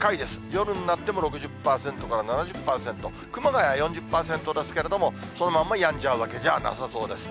夜になっても６０％から７０％、熊谷、４０％ですけれども、そのままやんじゃうわけじゃなさそうです。